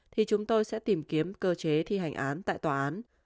thì chúng tôi sẽ tìm kiếm cơ chế thi hành án tại tòa án